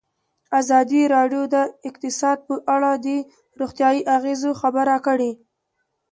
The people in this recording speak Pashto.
ازادي راډیو د اقتصاد په اړه د روغتیایي اغېزو خبره کړې.